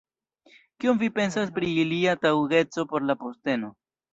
Kion vi pensas pri ilia taŭgeco por la posteno?